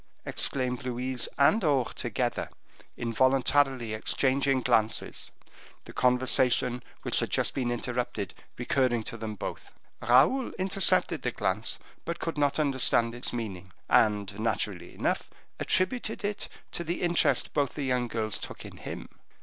exclaimed Louise and Aure together, involuntarily exchanging glances, the conversation which had just been interrupted recurring to them both. Raoul intercepted the glance, but could not understand its meaning, and, naturally enough, attributed it to the interest both the young girls took in him.